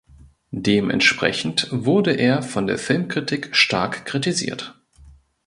Dementsprechend wurde er von der Filmkritik stark kritisiert.